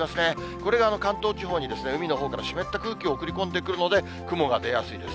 これが関東地方に海のほうから湿った空気を送り込んでくるので、雲が出やすいです。